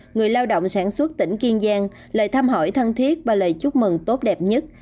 người lao động sản xuất tỉnh kiên giang lời thăm hỏi thân thiết và lời chúc mừng tốt đẹp nhất